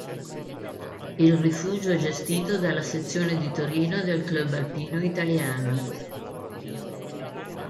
Il rifugio è gestito dalla sezione di Torino del Club Alpino Italiano.